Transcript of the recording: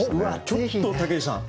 ちょっと武井さん